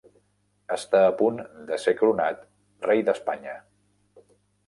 Està a punt de ser coronat Rei d'Espanya.